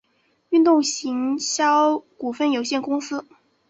运动行销股份有限公司